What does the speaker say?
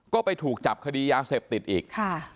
ก็ไปถูกจับคดียาเสพติดอีก